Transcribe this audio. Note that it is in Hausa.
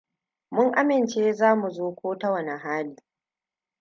Mun amince za mu zo ko ta wane hali.